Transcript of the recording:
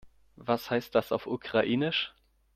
Was heißt das auf Ukrainisch?